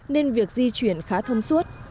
nên việc di chuyển khá thông suốt